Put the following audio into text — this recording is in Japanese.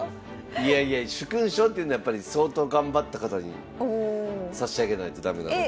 いやいや殊勲賞っていうのはやっぱり相当頑張った方に差し上げないと駄目なので。